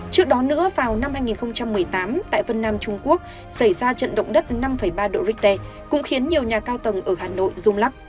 trước đó nữa vào năm hai nghìn một mươi tám tại vân nam trung quốc xảy ra trận động đất năm ba độ richter cũng khiến nhiều nhà cao tầng ở hà nội rung lắc